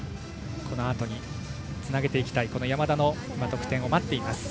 このあとに、つなげていきたい山田の得点を待っています。